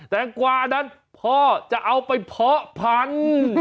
แงกวานั้นพ่อจะเอาไปเพาะพันธุ์